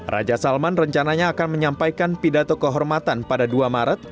raja salman rencananya akan menyampaikan pidato kehormatan pada dua maret